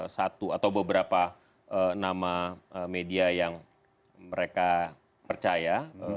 satu atau beberapa nama media yang mereka percaya